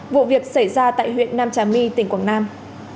vụ việc xảy ra tại huyện nam trà my tỉnh quảng nam